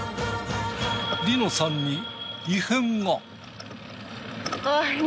梨乃さんに異変が！